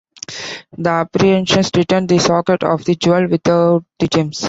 The apprentice returned the socket of the jewel without the gems.